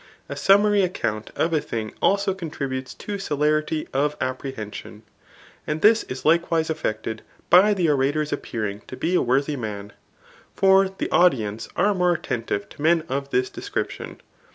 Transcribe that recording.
A summary account of a thing aleo contributes to celerity of apprehension ; and this ia lik&« wise effected by the orator's appearing to be a worthy man. For the audience are more attentive to men of this description.